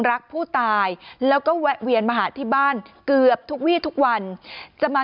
รักผู้ตายแล้วก็แวะเวียนมาหาที่บ้านเกือบทุกวีทุกวันจะมา